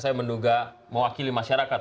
saya menduga mewakili masyarakat